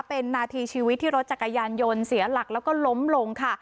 เป็นนาทีชีวิตที่รถจักรยานยนต์เสียหลักแล้วก็ล้มลงค่ะ